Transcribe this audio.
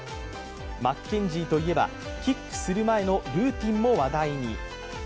マッケンジーといえば、キックする前のルーチンも話題に。